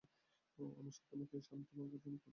আমার সাধ্যমত এই শান্তি ভাঙিবার জন্য ত্রুটি করি নাই।